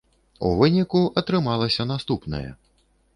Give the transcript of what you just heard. У выніку атрымалася наступнае.